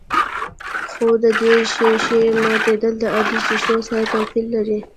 خو د دې ښيښې ماتېدل د عادي ښيښو سره توپير لري.